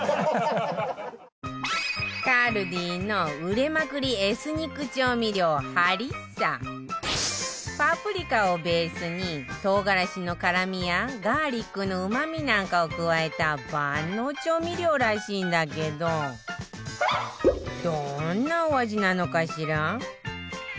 ＫＡＬＤＩ の売れまくりエスニック調味料ハリッサパプリカをベースに唐辛子の辛みやガーリックのうま味なんかを加えた万能調味料らしいんだけどどんなお味なのかしら？